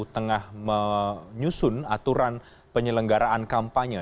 tengah menyusun aturan penyelenggaraan kampanye